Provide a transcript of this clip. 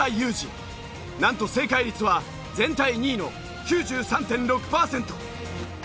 なんと正解率は全体２位の９３．６パーセント。